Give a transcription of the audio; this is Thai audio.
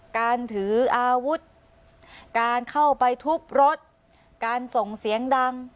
การถืออาวุธการเข้าไปทุบรถการส่งเสียงดัง